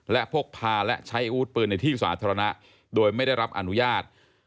และพกพาและใช้อาวุธปืนในที่สาธารณะโดยไม่ได้รับอนุญาต